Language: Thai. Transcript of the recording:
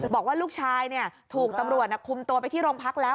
บอกว่าลูกชายถูกตำรวจคุมตัวไปที่โรงพักแล้ว